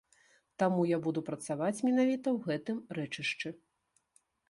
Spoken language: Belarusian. Таму я буду працаваць менавіта ў гэтым рэчышчы.